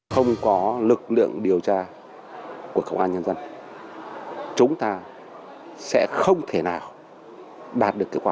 không có lực lượng điều tra của công an nhân dân chúng ta sẽ không thể nào đạt được kết quả